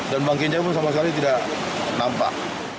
dan bangkinya pun sama sekali tidak nampak